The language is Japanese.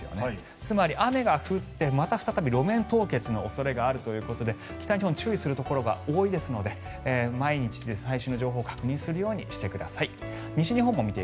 つまり雨が降ってまた再び路面凍結の恐れがあるということで北日本、注意するところが多いですので毎日、最新の情報を確認するようにしてください。